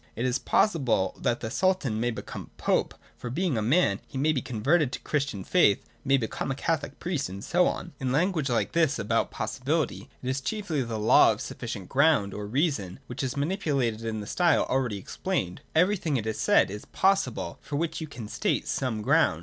It is possible that the Sultan may become Pope ; for, being a man, he may be converted to the Chris tian faith, may become a Catholic priest, and so on. In lan guage like this about possibilities, it is chiefly the law of the sufficient ground or reason which is manipulated in the style already explained. Everything, it is said, is possible, for which you can state some ground.